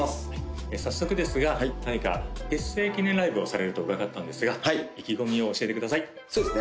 早速ですが結成記念ライブをされると伺ったんですが意気込みを教えてくださいそうですね